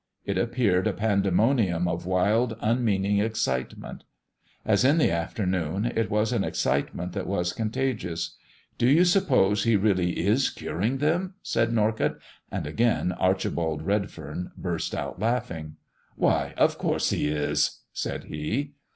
It appeared a pandemonium of wild, unmeaning excitement. As in the afternoon, it was an excitement that was contagious. "Do you suppose He really is curing them?" said Norcott, and again Archibald Redfern burst out laughing. "Why, of course He is," said he.